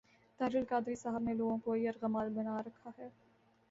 طاہر القادری صاحب نے لوگوں کو یرغمال بنا رکھا ہے۔